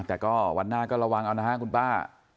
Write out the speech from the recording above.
แต่ก็วันหน้าก็ระวังเอานะฮะคุณป้า